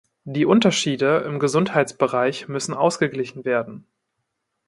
Die Unterschiede im Gesundheitsbereich müssen ausgeglichen werden.